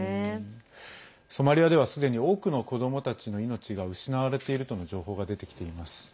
ソマリアでは、すでに多くの子どもたちの命が失われているとの情報が出てきています。